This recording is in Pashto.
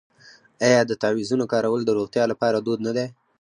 آیا د تعویذونو کارول د روغتیا لپاره دود نه دی؟